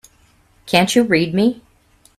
Can't you read me?